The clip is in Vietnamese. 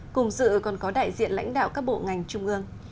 cùng dự còn có đại diện lãnh đạo các bộ ngành trung ương